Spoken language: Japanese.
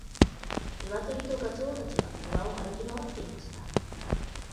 ニワトリとガチョウたちは庭を歩き回っていました。